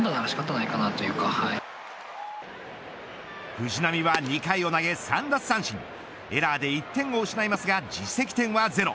藤浪は２回を投げ３奪三振エラーで１点を失いますが自責点はゼロ。